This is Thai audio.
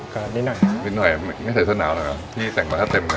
ก็นิดหน่อยนะครับนิดหน่อยไม่ใช่เส้นนาวนะครับนี่แสงมาถ้าเต็มกัน